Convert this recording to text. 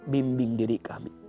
bimbing diri kami